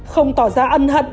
không tỏ ra ân hận